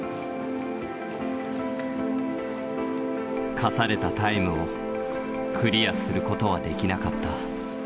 課されたタイムをクリアすることはできなかった。